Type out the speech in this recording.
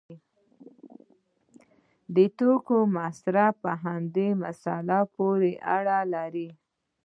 د توکو مصرف هم په همدې مسله پورې اړه لري.